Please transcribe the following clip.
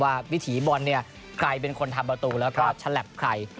วิถีบอลเนี่ยใครเป็นคนทำประตูแล้วก็ฉลับใคร